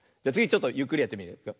じゃつぎちょっとゆっくりやってみるよ。